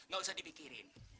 gak usah dipikirin